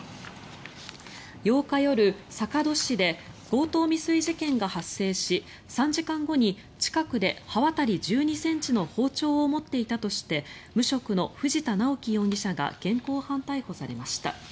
８日夜、坂戸市で強盗未遂事件が発生し３時間後に近くで刃渡り１２ｃｍの包丁を持っていたとして無職の藤田直樹容疑者が現行犯逮捕されました。